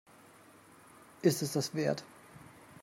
Ist es das wert?